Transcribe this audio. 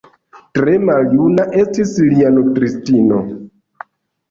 Tre maljuna estis lia nutristino.